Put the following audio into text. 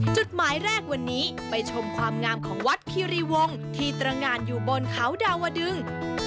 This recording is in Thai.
จุดหมายแรกวันนี้ไปชมความงามของวัดคิริวงศ์ที่ตรงานอยู่บนเขาดาวดึง